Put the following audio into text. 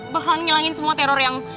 bakal ngilangin semua teror yang